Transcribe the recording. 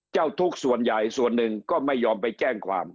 เจ้าทุกข์ส่วนใหญ่ส่วนหนึ่งก็ไม่ยอมไปแจ้งความ